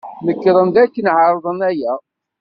Nekṛen dakken ɛerḍen aya.